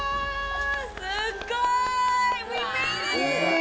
すっごい！